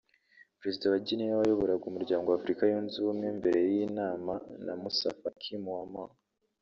Perezida wa Guinnée wayoboraga umuryango w’Afrika yunze ubumwe mbere y’iyi nama na Moussa Faki Mahamat